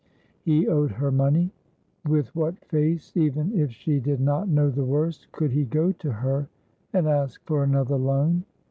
He owed her money; with what face, even if she did not know the worst, could he go to her and ask for another loan?